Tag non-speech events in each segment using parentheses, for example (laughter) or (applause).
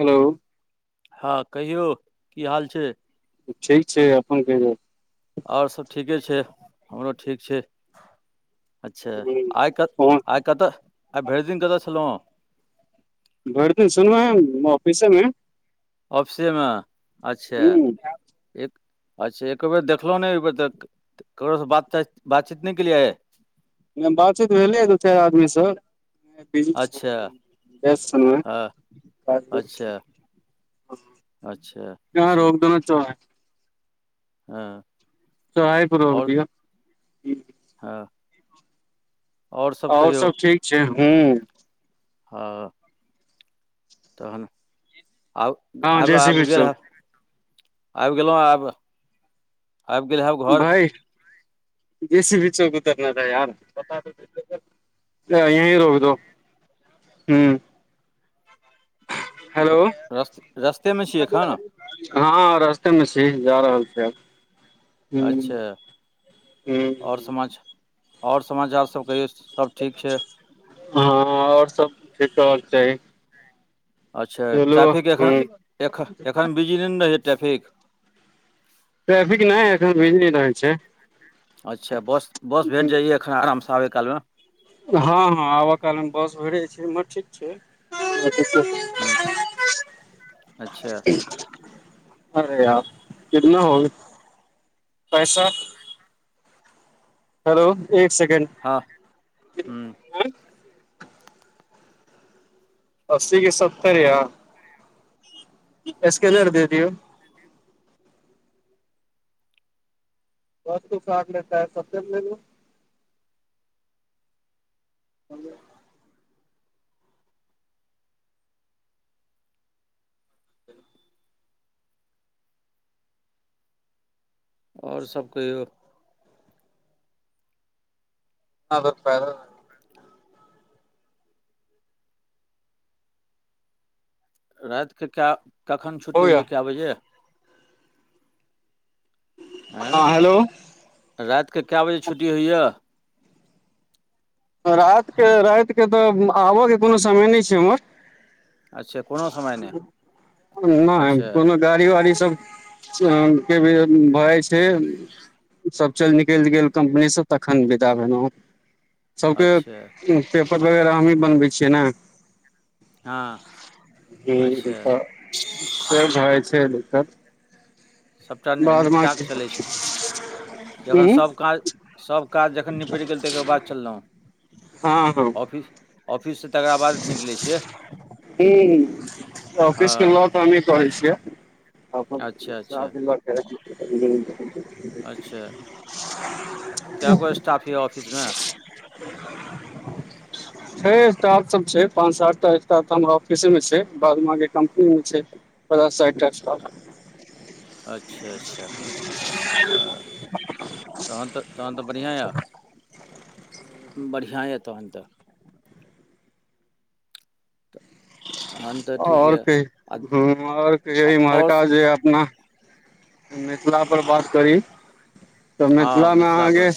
Hello हँ, कहियौ की हाल छियै। ठीक छियै, अपन कहियौ। और सब ठीके छैय हमरो ठीक छैय। अच्छा आइ कत ह आइ कतय आइ भेर दिन कत छलौउ। भरि दिन छैलों सुनवाई ऑफिसे मे ऑफिसे मे अच्छा ह एक अच्छा, एक बेर देखलहुँ ने, ओ अभी तक ककरोसँ बात-बातचीत नहि केलियै अछि। बातचीत भेलै दू-चारि आदमीसँ। बिजी अच्छा छेलो वेस्ट छेलो हँ अच्छा अच्छा यहाँ अच्छा रोक दो न चौराहे हँ चौराहापर रोकि आओर दिऔ। हँ आओर सब ठीक छै हूँ ह तहन आब हँ आब जैसे भी आबि गेल चौक हँ आबि गेलहुँ आब अभीगेलहु भाइ जेसी बीचे उतरना था यार बता देते ता यही रोक दो हूँ घ रस्त रस्तेमे छी एखन हँ रस्ते मे छी जा रहल छी आब अच्छा ह तऽ आओर ह समाचा आओर समाचार सब कहियौ सब ठीक छै हँ, आओर सब ठीक रहबाक चाही। अच्छा चलू ह ट्रैफिक एखन एखन एखन बिजली ने रहै छै ट्रैफिक ट्रैफिक नहि एखन बिजी नहि रहै छै अच्छा बस बस भेट जाईये एखन आरामसँ आबै कालमे हँ हँ आबऽ काल मे बस भेट जाय छै ठीक छै हुँ अच्छा (unintelligible) अरे यार कितना होगया पैसा हेलो एक सेकण्ड हँ हू हँ अस्सी के सत्तर या इसकेनर दे दियौ बस क साड लेताै सब ले ल आओर सब कहियौ ह द रातिके की, कखन छूटलै? गया कए बजे? आ हँ हेलो राइत के कए बजे छुट्टी होइए? रातिके रातिके तऽ आबयके कोनो समय नहि छै हमर अच्छा कोनो समय नहि नै अच्छा कोनो गाड़ी वाड़ी सब के भी भएइ जै छै। सब चलि निकलि गेल कम्पनी सऽ तखन विदा भेलहुँ। सबके अच्छा पेपर वगैरह हमही बनबै छियै ने। हूं हँ तऽ अच्छा से भ‌ऽ जै छै दिक्कत। सबटा ने बाद निपटा कऽ बाकी चलै छी। जखन हूँ सभ काज सभ काज जखन निपटि गेल तकर बाद चललहुँ। हँ- हँ। ऑफिस से तकर बाद निकलै छीयैऽ हूँ हंऽ। अच्छा, अच्छा, (inaudible) अच्छा! कैगो स्टाफ यऽ ऑफिस में? छै स्टाफ सब छै, पांच सात टा स्टाफ हमरा ऑफिसे मे छै, बाद बांकी कम्पनी में छै। पचास- सैठ टा स्टाफ। अच्छा- अच्छा ह। तहन तऽ तहन तऽ बढ़िआँ यऽ बढ़िआँ यऽ तहन तऽ। तहन तऽ ठीक और यऽ आ कहीयौ और कहीं आओर इम्हरका जे अपना मिथिला पर बात करी, तऽ हाँ, मिथिला में पर अहाँके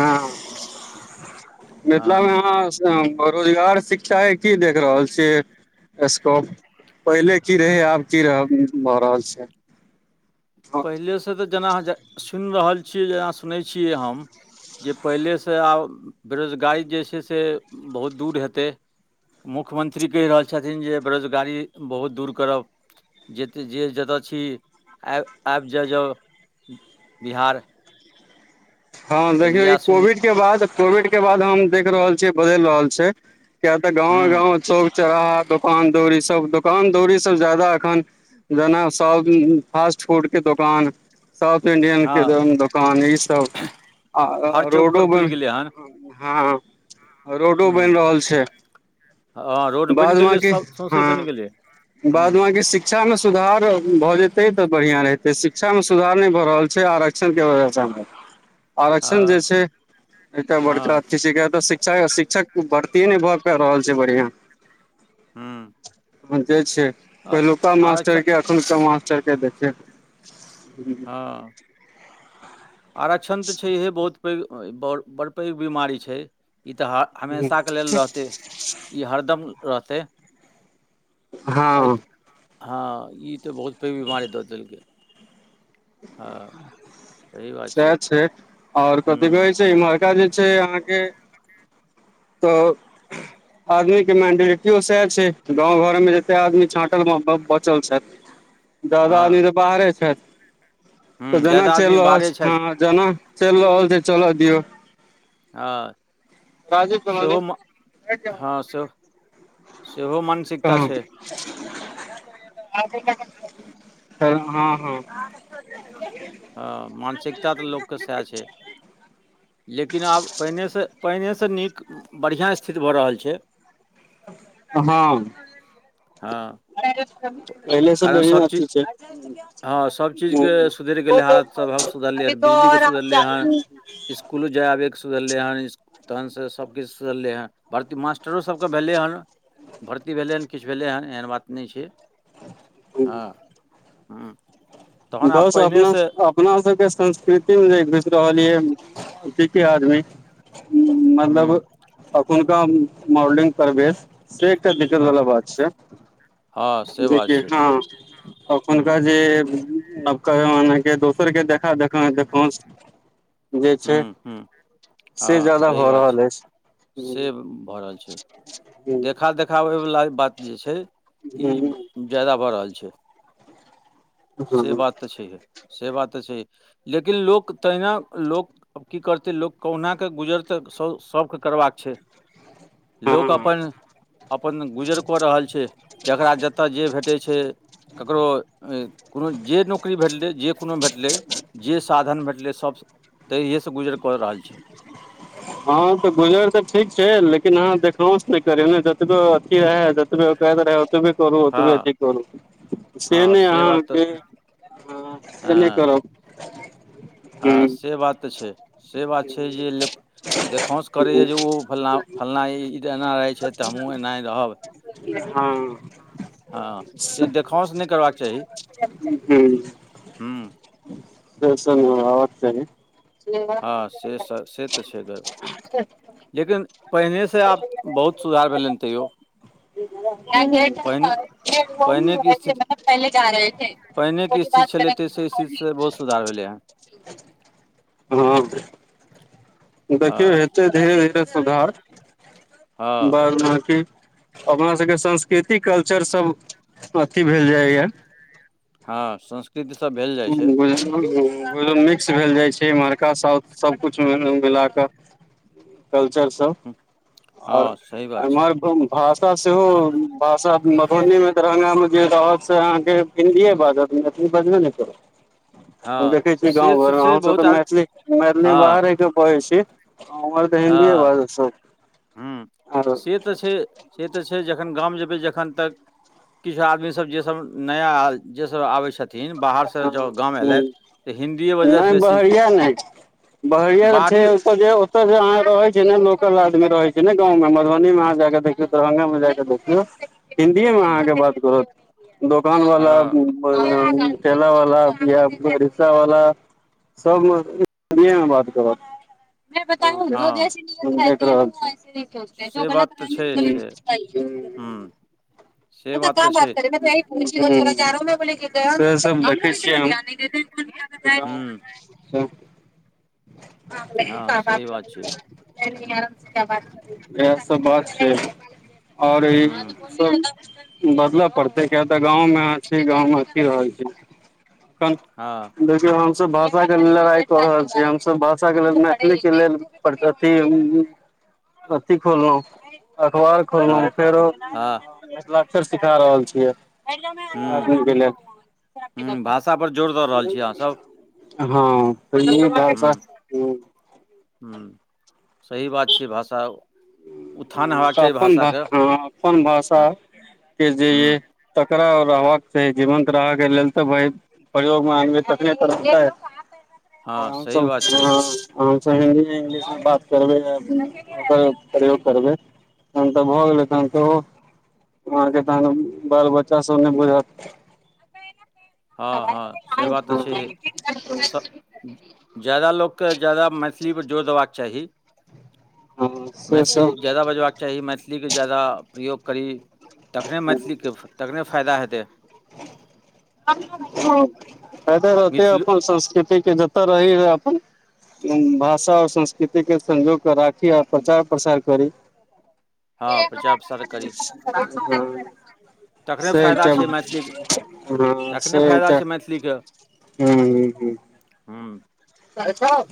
हँ मिथिला हाँ, मे आंहा बरोजगार शिक्षा के की देख रहल छियै। स्कॉप पहिले की रहै, आब की भऽ रहल छै। पहिलेसँ तऽ जेनााँ सुनि रहल छियै जेना सुनै छियै हम। जे पहिलेसँ आब बेरोजगारी जे छै, से बहुत दूर हेतै। मुख्यमन्त्री कहि रहल छथिन जे बेरोजगारी बहुत दूर करब। जेते जे जतय छी आ आबि जाइ जाउ बिहार। हँ तऽ देखियौ ई इएह सुनि कोविड के बाद कोविड के बाद हम देख रहल छियै बदलि रहल छै। किया तऽ गावे हुँ गाँव चौक चौराहा दोकान दौरी सब दोकान दौरी सब जा्यदाा एखन जेना सब फास्ट फूडके दोकान। साउथ इंडियन के हँ दोकान ई सब। आ हर चौक रोडो पर खुजि गेलै हन बनि हां रोडो बनि हुँ रहल छै। हँ रोड बनि बाद गेलै बाकी सब सौँसे हँ बनि गेलै बाद हुँ बाकी शिक्षा शिक्षा में सुधार भऽ जेतै तऽ बढ़िआँ रहहितै, शिक्षा में सुधार नहि भऽ रहल छै, आरक्षणके वजहसँ। आरक्षण जे हँ छै, एकटा बड़का हँ अथी छै शिक्षा शिक्षक भर्तीये नहि भए पाब रहल छै बढ़िियां। हूँ। जे छै पहिलुका आरक्षण मास्टर के एखुनका मास्टर के देखयो। हां। आरक्षण तऽ छै इएहे बहुत पैघ बड़ पैघ बीमारी छै ई तऽ हा हमेशा के लेल रहतै ई हरदम रहतै। हँ एत हँ ई तऽ बहुत पैघ बीमारी दऽ देलकै। हँ सही बात सैह छै, आओर कथि हुँ कहे छै, इमहरका जे छै अहाँके तऽ आदमी के मेंटलिटियो सएह छै गाँंव घर में जते आदमी छाँटल बचल छथि। ह ज्यादा आदमी तऽ बाहरे छेथ। तऽ हुँ जेना ज्यादा आदमी चलि रहल बाहरे छै छथि हँ जेना चलि रहल छै चलऽ दियौ। हँ राजीव कॉलोनी सेहोमे हँ सेहो सेहो मन (unintelligible) ह (unintelligible) हँ मानसिकता तऽ लोकके सएह छै। लेकिन आब पहीले सँ पहीलेसँ नीक बढ़िआँ स्थिति भऽ रहल छै। हँ। हँ। पहिलेसँ कारण सभ बढ़िया चीज (unintelligible) छै। हँ सभ चीजके ह सुधरि गेलै हालत सभ सुधरलै बिजलीके सुधरलै हन। स्कूल जाय आबैके सुधरलै हन। तखनसँ सभकिछु सुधलै हँ। भर्ती मास्टरोसभके भेलै हन। भर्ती भेलै हन किछु भेलै हन एहन बात नहि छै। हँ ह बस अपना अपना सबके संस्कृति मे जे घुसि रहल यै क के आदमी मतलब हँ अखुनका मॉलडिंग प्रवेश से एकटा दिक्कत हँ वाला बात छै। हँ से बात छै (unintelligible) हँ हँ अखुनका जे नबका मने के दोसर के देखा देख देखोस हुम्म हुम्म। से जादा भऽ रहल अछि। हु से हु देखाबै वला बात जे छै ई ह जादा भऽ रहल छै। से ह बात तऽ छैेहे से बात तऽ छैहे लेकिन लोक तहिना लोक आब की करतै लोक कहुना कऽ गुजर तऽ स सबके करबाक छै। हँ लोक हँ अपन अपन गुजर कऽ रहल छै जकरा जतऽ जे भेटै छै ककरो कोनो जे नौकरी भेटलै जे कोनो भेटलै जे साधन भेटलै सब तऽ इहे से गुजर कऽ रहल छै। (unintelligible) हँ तऽ गुजर तऽ ठीक छै लेकिन आहाँ देखाउस नै करियौ ने जतबो अथी रहै जोतबै ओकायत रहै ओतबे करू हँ ओतबे अथी करू से हँ नै बात अहाँके तऽ हँ से नै हँ करब हँ हूँ से बात तऽ छै से बात छै जे देखाऔंस करैए हूँ जे ओ फलाँ फल्ना ई ई एना रहै छैथ तऽ हमहूँ एनाहे रहब। हँ हँ से देखौंस नै करबाक चाही हूँ हुँ। से सब रहक चाही हँ से तऽ छै घर लेकिन पहिनेसँ आब बहुत सुधार भेलै हन तैयो। (unintelligible) पहिने पहिनेके स्थिति पहिनेके स्थिति छलै ताहि से स्थितिसँ बहुत सुधार भेलै हँ (unintelligible) हां। देखियौ हँ हेतै धीरे -धीरे सुधार हँ बाद बाकि अपना सबके संस्कृतिक कल्चर सब अथी भेल जाइए। हँ संस् कृत भेल जाइ छै मिक्स भेल जाइ छै, इमहरका साउथ सबकुछ मिला कऽ, कल्चर सब और हँ सही बात छै एमहर घ भाषा सेहो भाषा मधुबनी मे दरभंगा मे जे रहत से अहाँके हिन्दीए बाजत मैथिली बजबे ने करत हम हँ देखै छीयै से गाँव घरमे छै हमसब बहुत तऽ आद मैथिली - मैथिली हँ बाहर रहि कऽ पढ़ै छी। उम्हर तऽ हिन्दीए हँ बाजत सब हुम्म आरो से से तऽ छै, से तऽ छै, जखन गाम जेबै जखन तक किछु आदमी सब जे सब नया जे सब आबै छथि थिन बाहर सँ हँ जँ गाम हूँ एलथि तऽ हिन्दीए नहि बजलथि बेसी बहरिया नहि बहरिया छै बारी ओतैहो अहाँ रहै छै ने लोकल आदमी रहै छै ने गाँव मे मधुबनी मे अहाँ जा कऽ, देखियौ दरभंगा मे जा कऽ, देखियौ हिन्दीए मे हूँ अहाँके बात करत दोकानवला हँ (unintelligible) ठेला वाला या रिक्सा वाला सब ए मे हिंदीऐ मे बात करत मै बताउ हँ जो जैसी नियत हम देख रहल छी (unintelligible) सोचते है जो से गलत बात तऽ रहगे न छै गलत से सोचता ही है हूँ से अच्छा कहाँ तऽ बात छै करे हुम्म (unintelligible) फेर सऽ हम देखय छियै हम हूँ (unintelligible) (unintelligible) ह हँ बात सही छै (unintelligible) इएह सब बात छै और ई हूँ सब बदलऽ पड़तै किया तऽ, गाँवमे अहाँ छी, गाँवमे अथि रहल छी, तहन हँ देखियौ हमसब भाषाके लेल लड़ाई कऽ रहल छी, हमसब भाषाके लेल मैथिलीके लेल प्रगति अथी खोललहु अखबार हँ फेरो हँ मिथिलाक्षर सिखा रहल छियै, आदमीके लेल हुँ भाषा पर जोर दऽ रहल छी, अहाँ सब। हँ त ह्म - ह्म सही बात छै, भाषा उत्थान हुं हेबाक तऽ चाही अपन भा भाषाके हँ अपन हँ भाषाके जे हूँ य तकड़रा रहबाक चाही जीवंत रहय के लेल तऽ, भ परयोग मे आदमी तखने त रह तै, हँ सही बात छै हमसभ हिन्दी इंगलिश मे बात करबै, प्रयोग करबै तहन तऽ, भऽ गेलै तन त वहाँके तहन बाल बच्चा सब नहि बुझत हँ - हँ से बात तऽ छै, जादा लोकके जादा मैथिलीपर जोर देबाक चाही हँ से मैथिली सब जाद बाजबाक चाही मैथिलीके जादा प्रयोग करी तखने मैथिलीके तखने फायदा हेतै। ते हैते - हैते मिथिलो अपन संस्कृतिक के जतऽ रही रहै अपन भाषा आओर संस्कृतिके संजोग क राखी आर प्रचार प्रसार करी। हँ प्रचार प्रसार करी (unintelligible) तखने फायदा सेटा छै मैथिलीके हँ तखने फायदा सेटा ह, छै मैथिलीके ह, ह हूँ कहि छ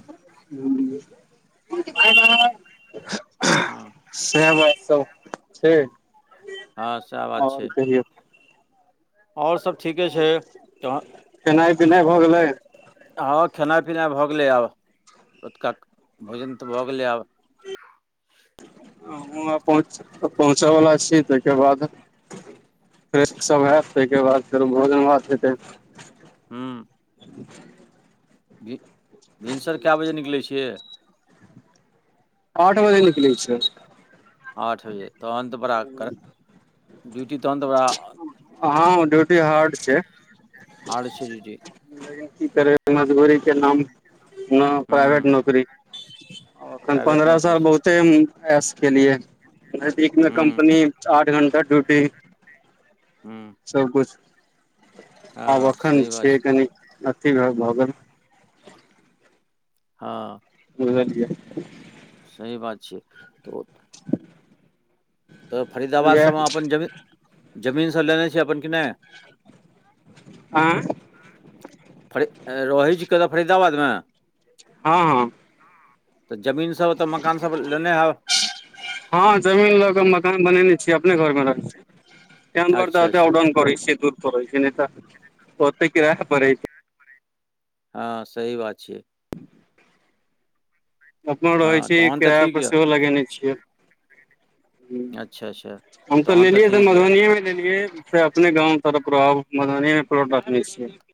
हँ (unintelligible) सेह बात सब छै। हँ, सएह बात आओर छै। कहियौ आओर सब ठीके छै, तह खेनाइ पिनाइ भऽ गेलै हँ, खेनाइ -पिनाइ भऽ गेलै आब, रोतुका भोजन तऽ भऽ गेलै आब। हम पहुँच पहुँचयवला छी, ताहिके बाद फ्रेश सब हैब, ताहिके बाद फेरो भोजन -भात हेतै। हूँ। (inaudible) भि- भिनसर कए बजे निकलै छियै? आठ बजे निकले छियै। आठ बजे तहन त बड़ा कर डूटी तहन तऽ बरा हँ ड्यूटी हार्ड छै हार्ड छै डूटी। लेकिन की करबै मजदूरी के नाम प्राइवेट हूँ नौकरी। ओखन प्राइवेट पन्द्रह नौकरी साल छै। बहुते एश केलिए। नजदिक मे हूँ कम्पनी, आठ घंटा ड्यूटी। हू। सब कछु आब अखन सही बात छै कनि, अथी भ गेल। हँ। बुझझै (unintelligible) सही बात छियै, तऽओ। तऽ फरीदाबाद इएह सभमे अपन जमीन, जमीनसभ लेने छियै अपन कि नहि? आँ। फरी, रहै छी कहतहु फरीदाबादमे? हँ- हँ। तऽ जमीन सब तऽ मकान सब लेने हैब। हँ जमीन लऽ के मकान बनेने छीयै, अपने घर मे रह छी, तं दुआरऽ अच्छा अच्छा ऑडाउ (unintelligible) पै छै दूर पै छै, नहि तऽ ओतेक क र पड़ै छै। हँ सही बात छियै। अपनो रहैत हँ छी, तहन तऽ किराय ठीक पर यऽ सेहो लगेने छियै। ह अच्छा अच्छा हम तऽ तहन लेलियै, से ठीक यऽ मधुबनीेमे लेलियै। अपने गाँव तरफ, आब मधुबनी रखने छियै।